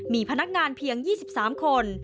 มีพนักงานเพียง๒๓คน